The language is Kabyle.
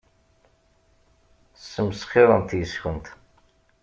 Ssmesxirent yes-kent.